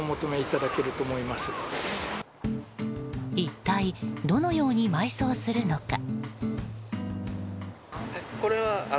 一体どのように埋葬するのか。